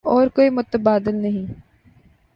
اور کوئی متبادل نہیں۔